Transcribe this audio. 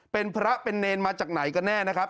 เป็นพระเป็นเนรมาจากไหนกันแน่นะครับ